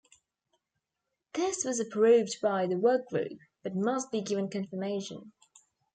This was approved by the work group, but must be given confirmation.